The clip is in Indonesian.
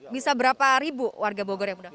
bisa berapa ribu warga bogor yang mendapatkan